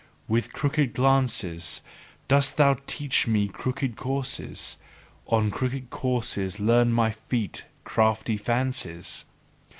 With crooked glances dost thou teach me crooked courses; on crooked courses learn my feet crafty fancies!